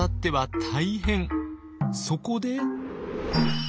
そこで。